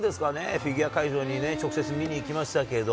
フィギュア会場に直接見に行きましたけど。